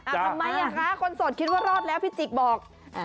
ทำไมอ่ะคะคนโสดคิดว่ารอดแล้วพี่จิ๊กบอก